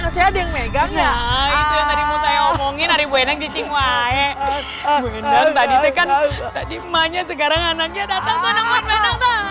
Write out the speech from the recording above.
saya ingin menggunakan bonekanya di atas